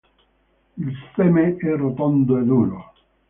Il seme è rotondo e duro.